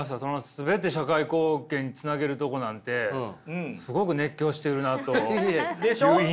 全て社会貢献につなげるとこなんてすごく熱狂してるなという印象でした。